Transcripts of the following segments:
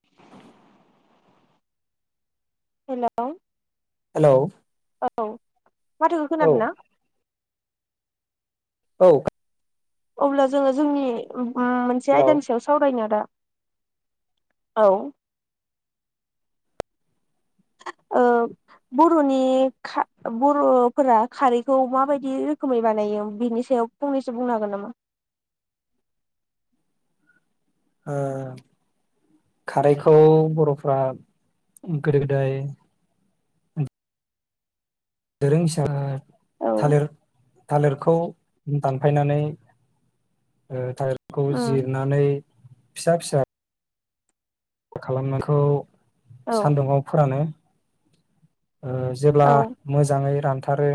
[inaudible] Hello. Hello. औ। माथोखौ औ खोनादों ना? औ अब्ला जोङो जोंनि उम मोनसे हेलौ आयदानि सायाव सावरायनो आदा। औ। ओ बर'नि खा बर'फोरा खारैखौ माबायदि रोखोमै बानायो बेनि सायाव फंनैसो बुंनो हागोन नामा? ऐ खारैखौ बर'फ्रा गोदो गोदाय दोरोंसा औ थालिर थालिरखौ दानफायनानै ओ थालिरखौ उम जिरनानै फिसा फिसा खालामनाखौ औ सान्दुङाव फोरानो। ओ जेब्ला औ मोजाङै रान थारो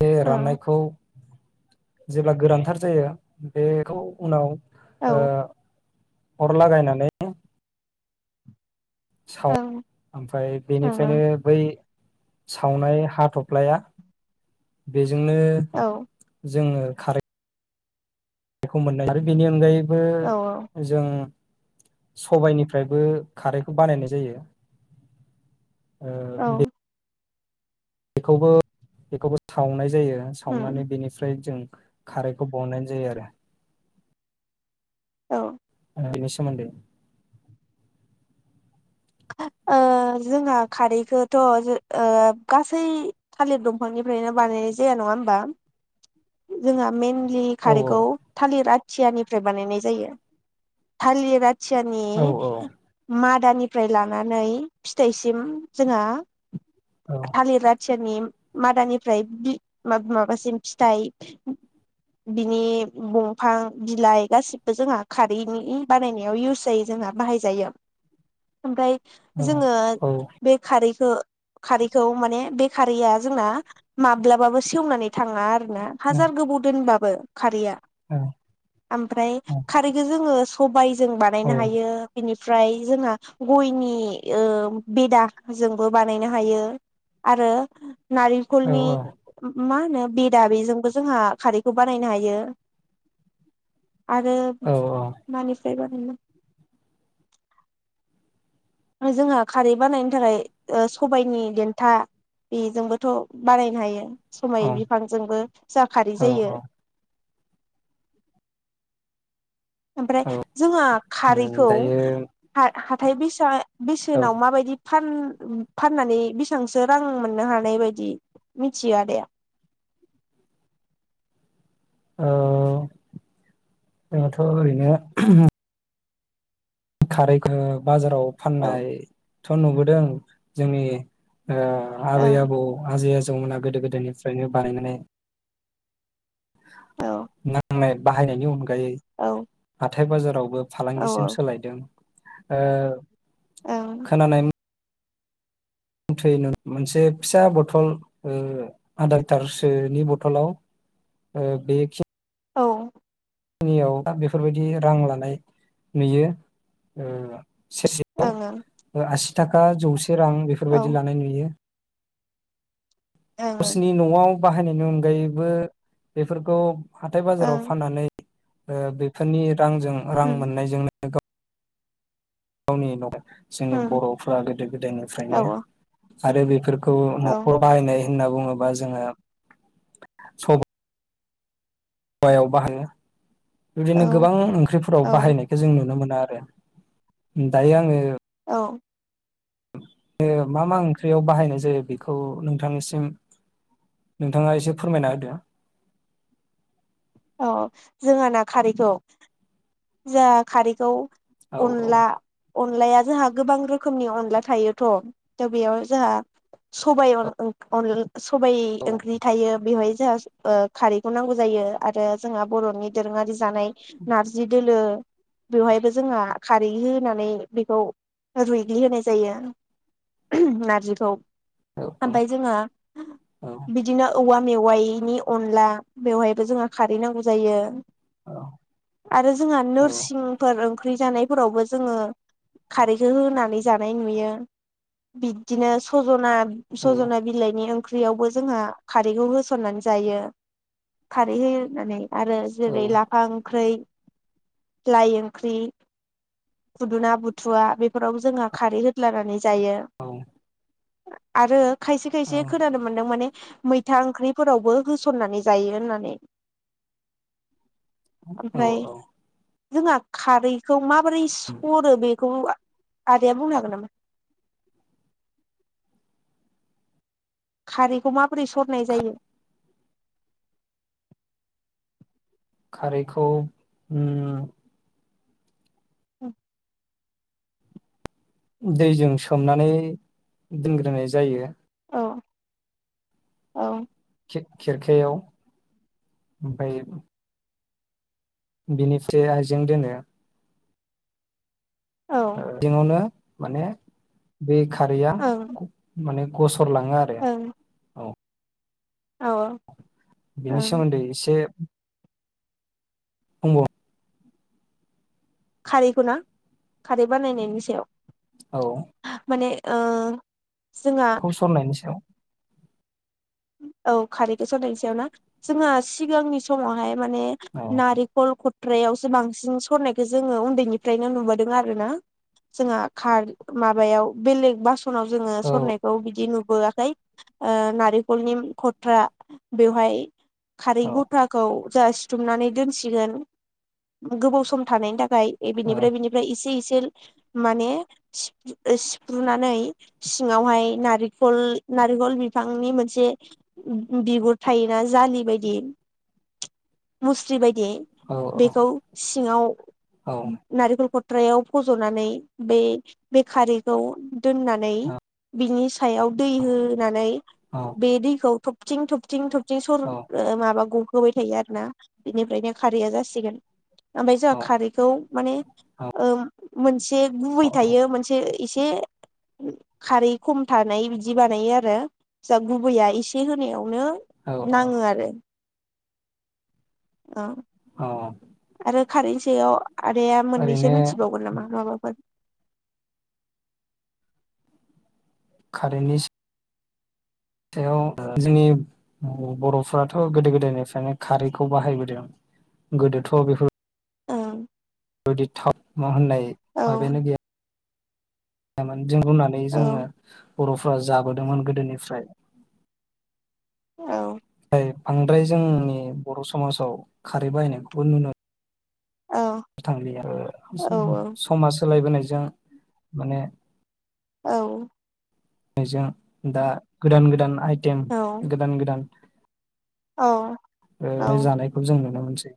बे उम रान्नायखौ जेब्ला गोनांथार जायो बेखौ उनाव औ ओ ओं अर लागायनानै ओं सावओ ओमफाय बेनिफ्रायनो ओं बै सावनाय हाथ'फ्लाया बे जोंनो औ जोङो खारै बेखौ मोन्नाय आरो बेनि अनगायै बे औ जों सबायनिफ्रायबो खारैखौ बानायनाय जायो। औ ओ बे बेखौबो बेखौबो सावनाय जायो उम सावनानै बेनिफ्राय जों खारैखौ बनायनाय जायो आरो औ। बि नि सोमोनदो ओ जोंहा खारैखौथ ओ गासै थालिर दंफांनिफ्रायनो बानायनाय जाया। नङा होमबा? जोंहा मेन लि औ खारिखौ थालिर आ थियानिफ्राय बानायनाय जायो। थालिर आथ औ सोरनि मात दानिफ्राय लानानै फिथाइसिम जोंहा औ थालिर आथियानि मादानिफ्राय बि मा-माबासिम फिथाइ बिनि बंफां बिलाइ गासिबो जोंहा खारैनि बानायनायाव इउस जायो। जोंहा बाहायजायो। ओमफाय जोङो औ औ बे खारै खो खारैखौ माने बे खारैया जोंना माब्लाबाबो सेवनानै थाङा आरो ना हाजार गोबाव दोनबाब बो खारिया ओमफ्राय खारैखौ जोङो सो- ख बाय जों औ बानायनो हायो बिनि ओमफ्राय जोंहा गयनि ओ बेदाजोंबो बानायनो हायो आरो औ नारेंखलनि औ मा होनो? बि दा बेजोंबो जोंहा खारैखो बानायनो हायो। आरो मानि बे बादि जोंहा खारै बानायनो थाखाय ओ सबायनि देन्था बेजोंबोथ बानायनो हायो। औ सबाय बिफांजोंबो जा खारै जायो । ओमफ्राय औ जोंहा खारैखौ दायो [unintelligible] थाय बिसा औ बेसेनाव माबायदि फान-फाननानै बेसेबांसो रां मोननो हानाय बायदि मिथियो आदाया। ओ [inaudible] जोंहाथ ओरैनो [unintelligible] खारै [unintelligible] बाजाराव औ फाननाय । थ' नुबोदों जोंनि ओ आबै ओं आबौ आजै आज जौमोना गोदो गोदायनिफ्रायनो बानायनानै औ लानाय बाहायनायनि अनगा गायै औ हा थाय बाजाराव बो औ फालांगिसिम औ सोलायदों। ओ ओं खोनायनाय मथै मोनसे फिसा बथल ओ आदा लिटारसोनि बथलाव ओ बेखिनि औ । नियाव बेफोरबायदि रां लानाय नुयो ओ सेरसेयाव ओं ओ आसि थाखा जौसे रां बेफोरबायदि लानाय नुयो। औ ओं ओं गसिनि नआव बाहायनायनि अनगायैबो बेफोरखौ हाथाय बाजाराव ओं फाननानै ओ बेफोरनि रांजों रां उम मोननाय जोंनो [inaudible] गावनि जोंनि उम बर'फ्रा गोदो औ गोदायनिफ्रायनो आरो बेफोर खौ औ न'खर बाहायनाय होनना बुङोबा जोङो स बायाव बाहायो । बिदिनो औ गोबां ओंख्रिफोराव बाहायनायखौ जों नुनो मोनो आरो । दायो आङो औ । मा मा ओंख्रियाव बाहायनाय जायो बेखौ नोंथांनिसिम नोंथाङा एसे फोरमायना होदो । औ जोंहा ना खारैखौ जाहा खारैखौ होदो अनला अन अनलाया जोंहा गोबां रोखोमनि अनला थायोथ थ बेयाव जोंहा सबायाइ औ अन सबाइ औ ओंख्रि थायो बेवहाय जोंहा खारैखौ नांगौ जायो आरो जोंहा बर नि दोरोङारि जानाय नारजि दोलो बेवहायबो जोंहा खारै होनानै बेखौ रुइग्लि होनाय जायो ओहोम नारजिखौ औ ओमफ्राय जोंहा औ बिदिनो औवा मेवाइनि अनला बेवहायबो जोंहा खारै नांगौ जायो। औ आरो जोंहा औ नोरसिंफोर जानायफोरावबो जोङो खारैखौ होनानै जानाय नुयो बिदिनो सजना सजना बिलाइनि ओंख्रियावबो जोंहा खारैखौ होसननानै जायो खारै होनानै आरो जेरै लाफा ओंख्रै लाइ ओंख्रि फुदुना बुथुवा बेफोराव जोंहा खारै होदलानानै जायो। आरो खायसे औ खायसे औ खोनानो मोन्दों माने मैथा ओंख्रिफोरावबो होसननानै जायो होननानै औ ओमफ्राय औ जोंहा खारैखौ मा बोरै सरो बेखौ आदाया बुंनो हागोन नामा? खारैखौ माबोरै सरनाय जायो खारैखौ उम [inaudible] दैजों सोमनानै दोनग्रोनाय जायो। औ औ खेरखायाव ओमफ्राय बिनिफ्राय आइजें दोनो औ दिङावनो माने बे खारैया ओं माने खस सरलाङो आरो ओं औ औ बिनि ओं सोमोन्दै एसे [unintelligible] खारैखौ ना खारै बानायनायनि सायाव माने ओ जोंहा थ सरनायनि सायाव औ खारै खौ सरनायनि सायाव ना जोंहा सिगांनि समावहाय माने औ नारेखल ख फ्रायावसो बांसिन सरनायखौ जोङो उन्दैनिफ्रायनो नुबोदों आरो ना जोंहा खार माबायाव बेलेग बास सनाव जोङो सरनायखौ बिदि नु बोआखै ओ नारि खलनि खथा बेवहाय खारै औ गथाखौ जासि थुमनानै दोनसिगोन गोबाव सम थानायनि थाख फ्राय औ बिनिफ्राय बिनिफ्राय इसे इसे माने सिफ-सिफ्रुनानै सिङावहाय नारिकल नारिकल बिफांनि मोन जे बिगुर थायोना जालि बायदि मुस्रि बाय दि औ बेखौ सिङाव औ नारेंखल ख द्रायाव फजनानै बे बे खारैखौ दोननानै बिनि सायाव दै होनानै बे दैखौ थब थिं थबथिं थब थिं सर माबा ग होबाय थायो आरोना बेनिफ्रायनो खारैया जासिगोन। ओमफ्राय जोंहा औ खारैखौ माने ओम। मोन ए गुबै थायो मोनसे एसे खारै खम थानाय बिदि बानायो आरो। जा गुबैया एसे होनायावनो औ नाङो आरो। ओं। औ। खारैनि सायाव आदाया मोननैसो ओरैनो मिथिबावगोन नामा माबाफोर? खारैनि सायाव जोंनि औ बर'फ्राथ ओ गोदो गोदायनिफ्रायनो खारैखौ बाहायबोदों गोदोथ' बेफोर ओम। [unintelligible] होननाय। [unintelligible] [unintelligible] [unintelligible] जोङो। औ बरफ्रा जाबोदोंमोन गोदोनिफ्राय। औ। ओमफ्राय बांद्राय जोंनि बर' समाजाव खारै बाहायनायखौबो नुनो औ [unintelligible] औ समा‌ सोलायबोनायजों। माने। औ। जों दा गोदान गोदान आइटेम औ गोदान गोदान औ। ओ औ जानायखौ जों नुनो मोनो सै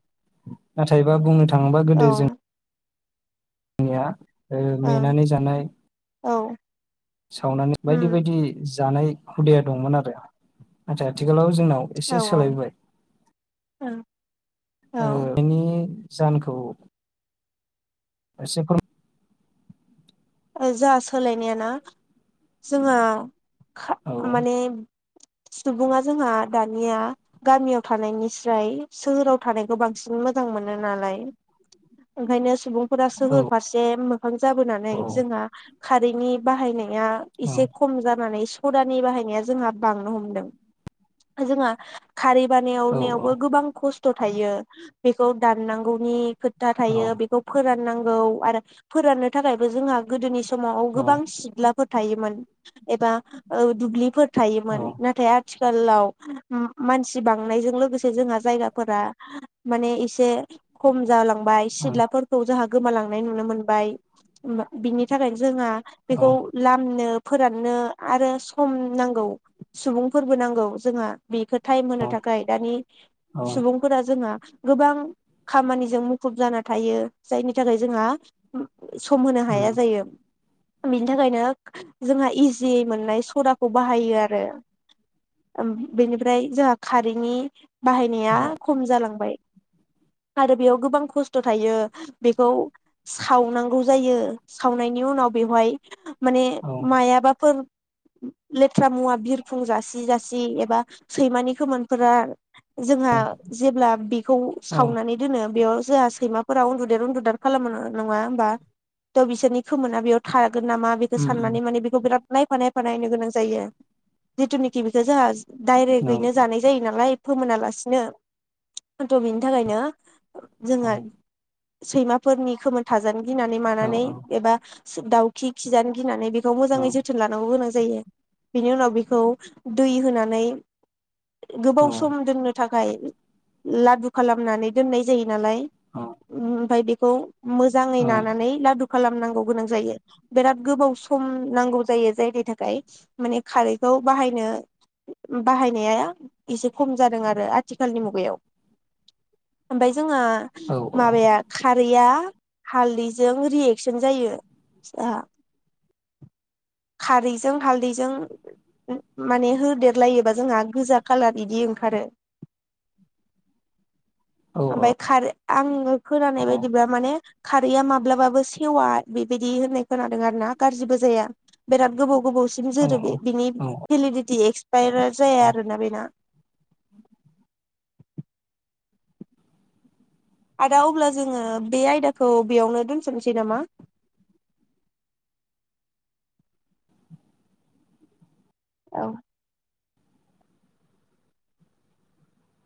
नाथायबा बुंनो था थांबा गोदो जों ओं [unintelligible] मेनानै जानाय औ। सावनानै बायदि उम बायदि। जानाय हुदाया दंमोन आरो नाथाइ आथिखालाव जोंनाव एसे औ सोलायबोबाय औ ओ ओं [unintelligible] जाहोनखौ एसे फोर जा सोलायनायाना जोंहा औ खा-माने। सुबुङा जोंहा दानिया गामियाव थानायनिस्राय सोहोराव थानायखौ बांसिन मोजां मोनो नालाय ओंखायनो सुबुं फोरा सोहोर फारसे मो खां जाबोनानै औ जोंहा खारैनि बाहायनाय या औ एसे खम जानानै सदानि बाहायनाया जोंहा बांनो हमदों जोंहा खारै बानायाव औ नायावबो गोबां खस्थ खस्थ थायो बेखौ दाननांगौनि खोथा थायो बेखौ फोरानां गौ आरो फोराननो थाखायबो जोंहा गोदोनि समाव औ गोबां सिलाफोर थायोमोन एबा ओ दुब्लिफोर औ थायोमोन नाथाय आथिखालाव उम मानसि बांनायजों लोगोसे जोंहा जायगाफोरा माने एसे खम जालां बाय सिथलाफोरखौ जोहा गोमालांनाय नुनो मोनबाय बिनि थाखाय जोहा औ बेखौ लामनो फोराननो आरो सम नांगौ सुबुंफोरबो नांगौ जोंहा बेखो टाइम होनो थाखाय दानि सुबुंफोरा जोंहा गोबां खामानिजों मुखुब जाना थायो। जायनि थाखाय जोंहा सम हाया उम जायो‌‌ बिनि थाखायनो जोंहा इजि मोननाय सदाखौ बाहायो आरो ओम-बेनिफ्राय जोंहा खारैनि बाहायनाया औ खम जालांबाय। आरो बेयाव गोबां खस्थ थायो बेखौ सावनांगौ जायो। सावनायनि उनाव बेवहाय माने औ मायाबाफोर लेथ्रा मुवा बिरफुं जासि जासि एबा सैमानि खोमोनफोरा जोंहा जेब्ला बेखौ औ सावनानै दोनो बेयाव जोंहा सैमाफोराव उन्दुदेर उन्दुदार खालामनो न-नङा होमबा? थ बिसोरनि खोमोना बेयाव था गोन नामा बेखौ उम साननानै माने बेखौ बिराद नायफा नायफा नायनो गोनां जायो। जिथुनिखि बेखौ जोंहा औ डायरेक्टगैनो जानाय जायो नालाय। फोमोनालासिनो हयथ' बिनि थाखायनो औ जोङो सैमाफोरनि खोमोन थाजानो गिनानै मा औ नानै एबा दावखि खिजानो गिनानै बे खौ औ मोजाङै जोथोन लानांगौ गोनां जायो। बिनि उनाव बेखौ दै होनानै औ गोबाव सम दोननो था थाखाय लादु खालामनानै दोननाय जायो। नालाय ओमफ्राय बेखौ मोजाङै नानानै। खालामनांगौ गोनां जायो बिराद गोबाव सम नांगौ जायो जायनि थाखाय माने खारैखौ बाहायनो बाहायनाया एसे खम जादों आरो आथिखालनि मुगायाव। जोंहा माबाया खारैया। हालदि जों रियेकसन जायो खारैजों हालदैजों माने होदेरलायोबा जोंहा गोजा खालार बिदि ओंखारो। औ ओमफाय खारै आङो खोनानाय बायदिब्ला माने। खारैया मा माब्लाबाबो सेवा बेबायदि होननाय खोनादों आरो ना गाज्रिबो जाया बिराद गोबाव गोबावसिम औ जोरो बे बिनि औ भेलिडिटि एक्स पाइयार जाया औ आरोना बेना। आदा अब्ला जोङो बे आयदाखौ बेआवनो दोनथ'नोसै नामा? औ।